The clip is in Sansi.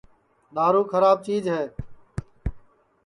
دؔارُو کھراب چِیج ہے